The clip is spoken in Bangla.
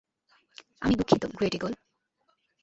আমি দুঃখিত, গ্রেট ঈগল।